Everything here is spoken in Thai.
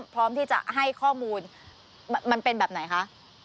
พร้อมที่จะให้ข้อมูลมันเป็นแบบไหนคะ